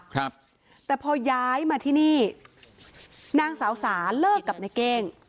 ครับแต่พอย้ายมาที่นี่นางสาวสาเลิกกับในเก้ง